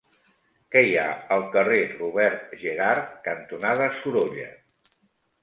Què hi ha al carrer Robert Gerhard cantonada Sorolla?